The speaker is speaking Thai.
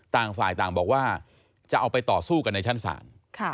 ต่างฝ่ายต่างบอกว่าจะเอาไปต่อสู้กันในชั้นศาล